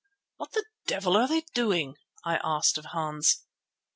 "What the devil are they doing?" I asked of Hans.